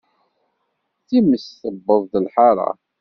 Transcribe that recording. Times tewweḍ-d lḥaṛa!